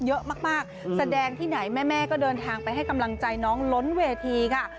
เยอะมากแสดงที่ไหนแม่ก็เดินทางไปให้กำลังใจน้องล้นเวทีค่ะ